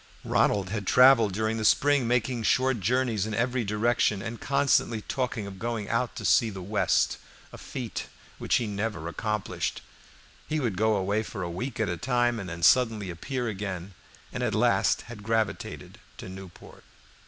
Ronald had traveled during the spring, making short journeys in every direction, and constantly talking of going out to see the West, a feat which he never accomplished. He would go away for a week at a time and then suddenly appear again, and at last had gravitated to Newport.